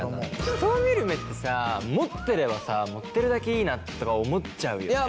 人を見る目ってさ持ってればさ持ってるだけいいなとか思っちゃうよね。